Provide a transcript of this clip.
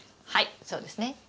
はいそうですね。